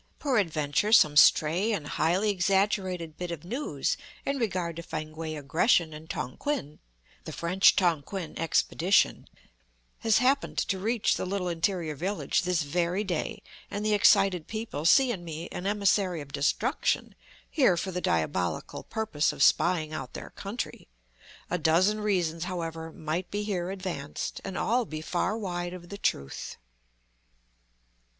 Perad venture some stray and highly exaggerated bit of news in regard to Fankwae aggression in Tonquin (the French Tonquin expedition) has happened to reach the little interior village this very day, and the excited people see in me an emissary of destruction, here for the diabolical purpose of spying out their country. A dozen reasons, however, might be here advanced, and all be far wide of the truth.